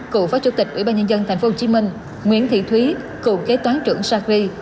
cựu phó chủ tịch ủy ban nhân dân tp hcm nguyễn thị thúy cựu kế toán trưởng sagri